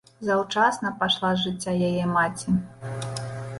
Заўчасна пайшла з жыцця яе маці.